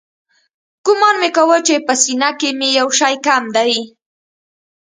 ګومان مې کاوه چې په سينه کښې مې يو شى کم دى.